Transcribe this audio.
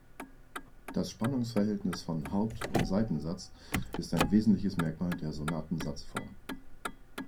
Das Spannungsverhältnis von Haupt- und Seitensatz ist ein wesentliches Merkmal der Sonatensatzform.